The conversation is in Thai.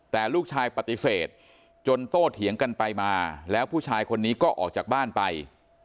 แต่ลูกชายปฏิเสธจนโต้เถียงกันไปมาแล้วผู้ชายคนนี้ก็ออกจากบ้านไป